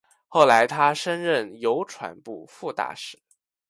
后来他升任邮传部副大臣。